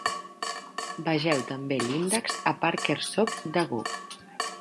Vegeu també "L''Index a Parker SoC" de Gough.